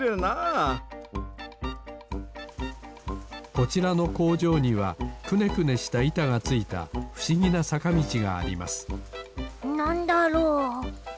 こちらのこうじょうにはくねくねしたいたがついたふしぎなさかみちがありますなんだろう？